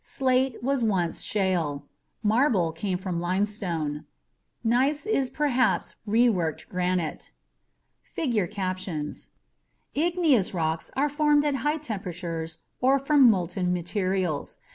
Slate was once shale. Marble came from limestone. Gneiss (pronounced "nice") is perhaps reworked granite. [figure captions] Igneous rocks are formed at high temperatures or from molten materials.